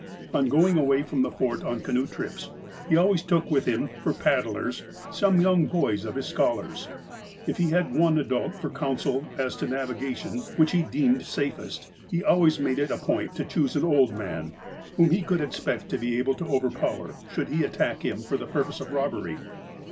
On going away from the Fort on canoe trips, he always took with him, for paddlers, some young boys of his scholars. If he had one adult for counsel as to naviga tion, which he deemed safest, he always made it a point to choose an old man, whom he could expect to be able to overpower, should he attack him for the purpose of rob bery.